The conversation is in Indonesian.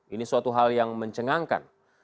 ini suatu hal yang mencengangkan